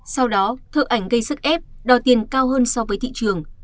sau đó thợ ảnh gây sức ép đòi tiền cao hơn so với thị trường